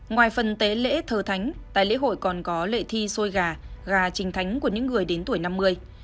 ngoài phần tế lễ thờ thánh tại lễ hội còn có lễ thi sôi gà gà trình thánh của những người đến tuổi năm mươi